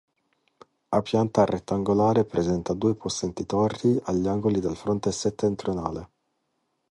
A pianta rettangolare presenta due possenti torri agli angoli del fronte settentrionale.